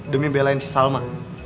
demi belain si salma